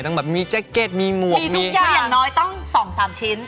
ต้องแบบมีแจ็คเก็ตมีหมวกมีทุกอย่างอย่างน้อยต้อง๒๓ชิ้น